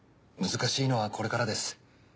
難しいのはこれからです。